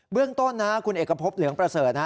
เบื้องต้นการของคุณเอกพบเหลืองประเสริน